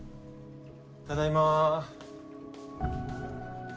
ただいま。